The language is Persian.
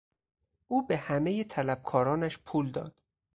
او به همهی طلبکارانش پول داد.